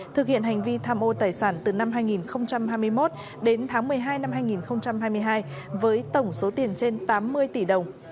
thực hiện hành vi tham ô tài sản từ năm hai nghìn hai mươi một đến tháng một mươi hai năm hai nghìn hai mươi hai với tổng số tiền trên tám mươi tỷ đồng